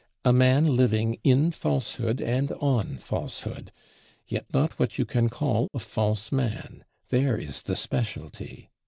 A man living in falsehood and on falsehood; yet not what you can call a false man: there is the specialty!